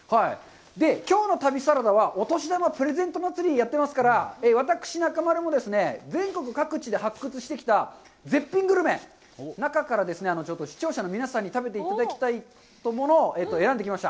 きょうの旅サラダはお年玉プレゼント祭りをやってますから、私、中丸も全国各地で発掘してきた絶品グルメのその中からちょっと視聴者の皆さんに食べていただきたいものを選んできました。